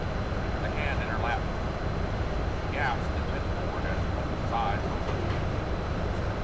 The hand in her lap moved. She gasped and bent forward as her husband's eyes opened.